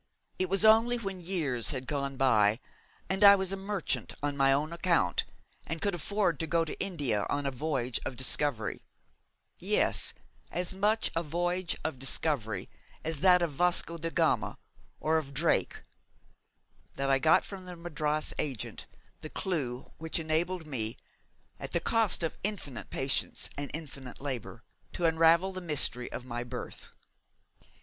It was only when years had gone by and I was a merchant on my own account and could afford to go to India on a voyage of discovery yes, as much a voyage of discovery as that of Vasco de Gama or of Drake that I got from the Madras agent the clue which enabled me, at the cost of infinite patience and infinite labour, to unravel the mystery of my birth.